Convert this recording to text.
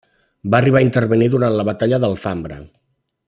Va arribar a intervenir durant la batalla de l'Alfambra.